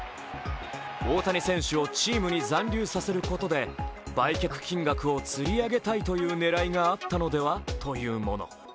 大谷選手をチームに残留させることで売却金額をつり上げたいという狙いがあったのでは？というもの。